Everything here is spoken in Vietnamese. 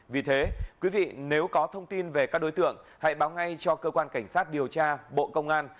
vì thế quý vị nếu có thông tin về các đối tượng hãy báo ngay cho cơ quan cảnh sát điều tra bộ công an